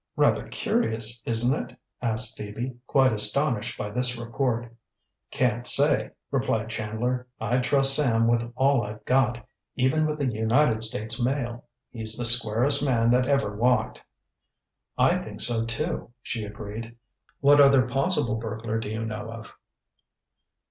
"Rather curious, isn't it?" asked Phoebe, quite astonished by this report. "Can't say," replied Chandler. "I'd trust Sam with all I've got even with the United States mail. He's the squarest man that ever walked." "I think so, too," she agreed. "What other possible burglar do you know of?"